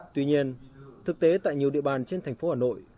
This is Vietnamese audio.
tuy nhiên thực tế tại nhiều địa bàn trên thành phố hà nội